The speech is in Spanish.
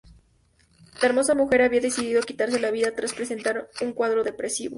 La hermosa mujer había decidido quitarse la vida tras presentar un cuadro depresivo.